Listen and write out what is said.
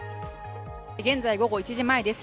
現在午後１時前です